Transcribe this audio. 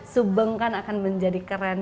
subang akan menjadi keren